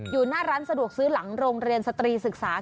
อยู่หน้าร้านสะดวกซื้อหลังโรงเรียนสตรีศึกษา